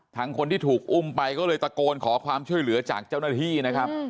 คนที่ถูกอุ้มไปก็เลยตะโกนขอความช่วยเหลือจากเจ้าหน้าที่นะครับ